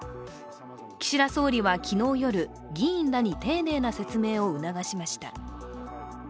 岸田総理は昨日夜、議員らに丁寧な説明を促しました。